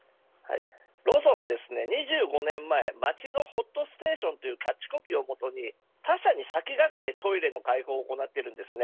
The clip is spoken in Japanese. ローソンは２５年前街のホッとステーションというキャッチコピーをもとに、他社に先駆けてトイレの解放を行っているんです。